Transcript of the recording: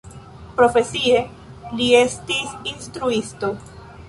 Profesie li estis instruisto.